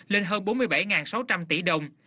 lên hơn bốn mươi bảy sáu trăm linh tỷ đồng